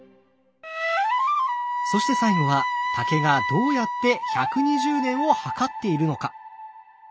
そして最後は竹がどうやって１２０年を計っているのか？